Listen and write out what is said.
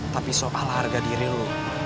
tapi sop ala harga diri lo